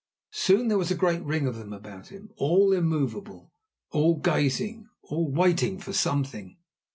Soon there was a great ring of them about him, all immovable, all gazing, all waiting for something.